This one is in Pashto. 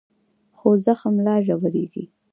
خو زخم لا ژورېږي.